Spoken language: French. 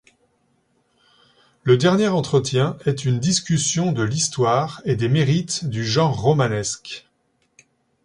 Le dernier entretien est une discussion de l’histoire et des mérites du genre romanesque.